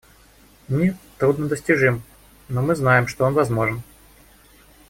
Мир труднодостижим, но мы знаем, что он возможен.